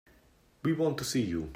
We want to see you.